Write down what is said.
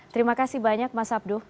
terima kasih banyak mas abduh